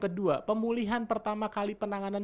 kedua pemulihan pertama kali penanganan